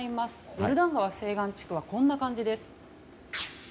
ヨルダン川西岸地区はこんな感じです。